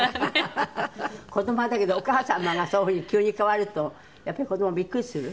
子どもはだけどお母様がそういう風に急に変わるとやっぱり子どもビックリする？